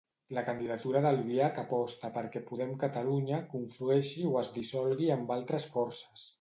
La candidatura d'Albiach aposta perquè Podem Catalunya conflueixi o es dissolgui amb altres forces.